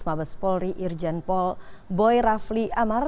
mabes polri irjen pol boy rafli amar